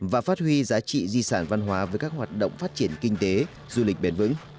và phát huy giá trị di sản văn hóa với các hoạt động phát triển kinh tế du lịch bền vững